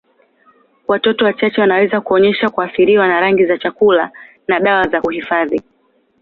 Watoto wachache wanaweza kuonyesha kuathiriwa na rangi za chakula na dawa za kuhifadhi.